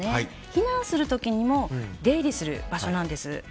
避難する時にも出入りする場所なんです。